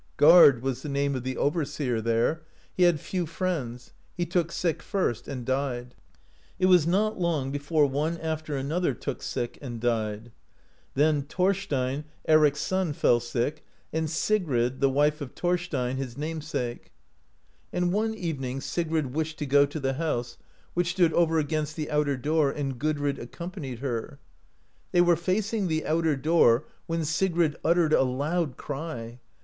Gard was the name of the overseer there; he had few friends; he took sick first and died. It was not long before one after another took sick and died. Then Thorstein, Eric's son, fell sick, and Sigrid, the wife of Thorstein, his name 44 APPARITIONS SEEN BY SIGRID sake; and one evening Sigrid wished to go to the house, which stood over against the outer door, and Gudrid ac companied her; they were facing the outer door when Sigrid uttered a loud cry.